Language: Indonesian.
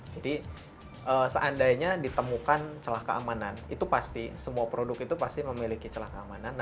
jadi seandainya ditemukan celah keamanan itu pasti semua produk itu pasti memiliki celah keamanan